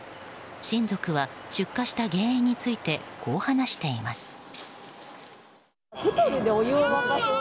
親族は出火した原因についてこう話しています。